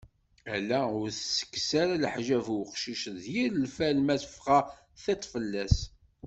Ala ur as-ttekkes ara leḥjab i uqcic d yir lfal ma fɣa tiṭ fell-as.